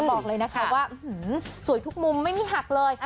บอกเลยนะคะว่าสวยทุกมุมไม่มีหักเลย